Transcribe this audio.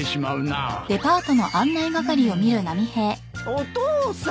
お父さん！